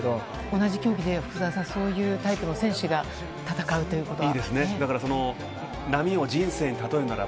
同じ競技で、福澤さん、そういうタイプの選手が戦うということは？